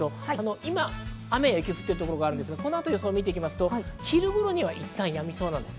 今、雨や雪、降ってる所がありますが、この後を見ていくと昼頃にはいったんやみそうです。